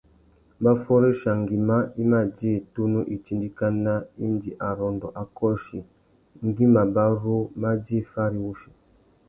Mbaffôréchia nguimá i mà djï tunu itindikana indi arrôndô a kôchi ngüi mabarú mà djï fari wussi.